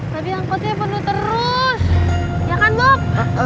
tadi angkotnya penuh terus ya kan bok